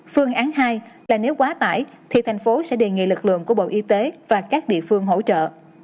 phương án hai là nếu quá tải thì thành phố sẽ đề nghị lực lượng của bộ y tế và các địa phương hỗ trợ